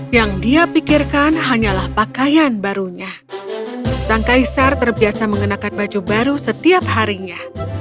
yang dia pikirkan hanyalah pakaian barunya sang kaisar terbiasa mengenakan baju baru setiap harinya